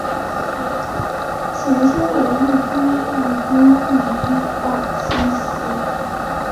前身为陆军步兵第一二七师